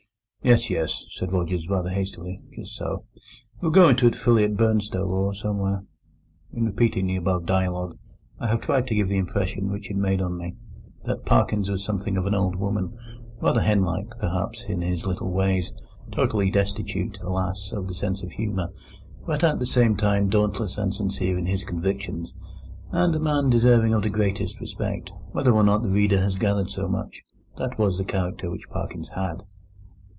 "Yes, yes," said Rogers, rather hastily—"just so. We'll go into it fully at Burnstow, or somewhere." In repeating the above dialogue I have tried to give the impression which it made on me, that Parkins was something of an old woman—rather henlike, perhaps, in his little ways; totally destitute, alas! of the sense of humour, but at the same time dauntless and sincere in his convictions, and a man deserving of the greatest respect. Whether or not the reader has gathered so much, that was the character which Parkins had.